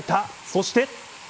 そして。